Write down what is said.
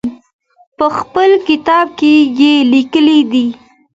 په خپل کتاب کې یې لیکلي دي.